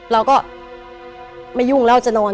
เราก็ไม่ยุ่งแล้วจะนอน